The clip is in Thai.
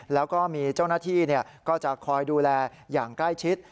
แล้วก็มีเจ้าหน้าที่ก็จะคอยดูแลอย่างใกล้ชิด